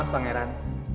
maaf pak gerang